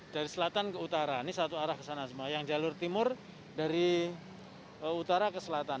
dari selatan ke utara ini satu arah kesana semua yang jalur timur dari utara ke selatan